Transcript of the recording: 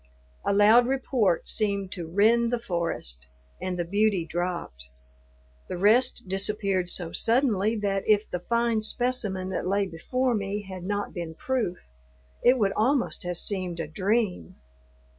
A loud report seemed to rend the forest, and the beauty dropped. The rest disappeared so suddenly that if the fine specimen that lay before me had not been proof, it would almost have seemed a dream.